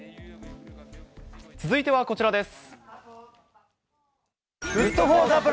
続いてはこちらです。